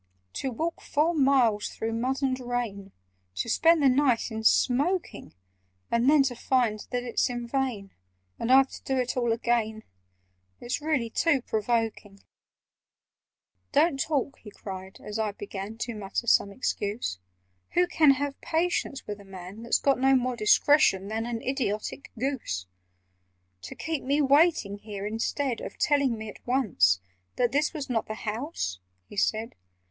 "To walk four miles through mud and rain, To spend the night in smoking, And then to find that it's in vain— And I've to do it all again— It's really too provoking! "Don't talk!" he cried, as I began To mutter some excuse. "Who can have patience with a man That's got no more discretion than An idiotic goose? [Picture: To walk four miles through mud and rain] "To keep me waiting here, instead Of telling me at once That this was not the house!" he said.